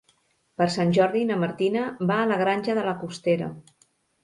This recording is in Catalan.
Per Sant Jordi na Martina va a la Granja de la Costera.